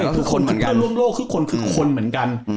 ทุกคนคือเพื่อนร่วมโลกทุกคนคือคนเหมือนกัน